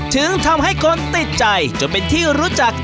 ถึงทำให้คนติดใจจนเป็นที่รู้จัก